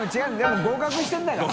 任合格してるんだから。